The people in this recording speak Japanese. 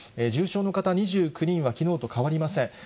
重症の方２９人は、きのうと変わりません。